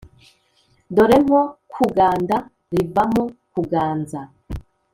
dore nko kuganda, rivamo kuganza,